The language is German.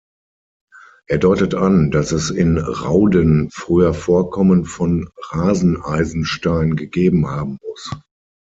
Er deutet an, dass es in Rauden früher Vorkommen von Raseneisenstein gegeben haben muss.